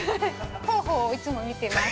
◆方法をいつも見ています。